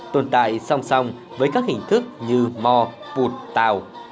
tồn tại song song với các hình thức như mò pụt tào